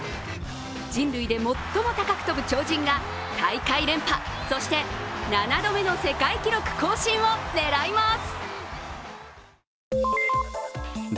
人類で最も高く跳ぶ鳥人が大会連覇、そして７度目の世界記録更新を狙います。